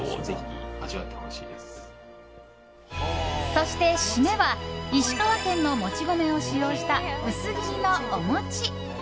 そして締めは石川県のもち米を使用した薄切りのお餅。